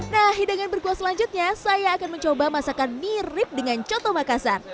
nah hidangan berkuah selanjutnya saya akan mencoba masakan mirip dengan coto makassar